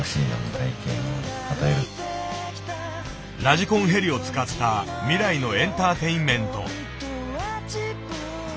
ラジコンヘリを使った未来のエンターテインメント。